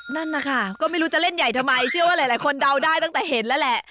นั่นนะคะก็ไม่รู้จะเล่นใหญ่ทำไมเชื่อว่าหลายคนเดาได้ตั้งแต่เห็นแล้วแหละ